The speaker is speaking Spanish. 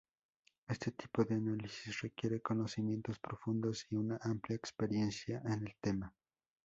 Este tipo de análisis requiere conocimientos profundos y una amplia experiencia en el tema.